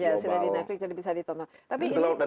ya sudah di netflix jadi bisa ditonton